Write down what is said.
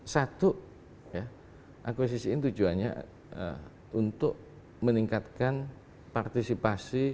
satu akuisisi ini tujuannya untuk meningkatkan partisipasi